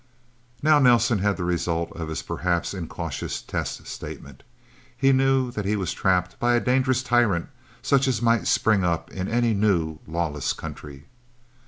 Now Nelsen had the result of his perhaps incautious test statement. He knew that he was trapped by a dangerous tyrant, such as might spring up in any new, lawless country.